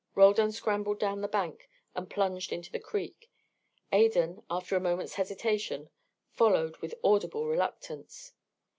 Roldan scrambled down the bank and plunged into the creek. Adan, after a moment's hesitation, followed with audible reluctance.